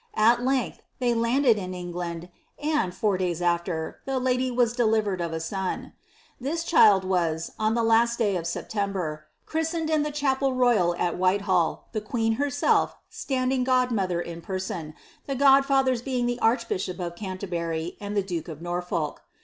At length, they landed in England, and, four days after, the lady was delivered of a son. This child was, on the last day of September, chris* leacd in the cliapel royal at Whitehall, the queen herself standing god ■other in person, the godfathers being the archbishop of Canterbury, ■nd the duke of Norfolk.